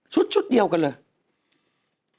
ชุดเดียวกันเลย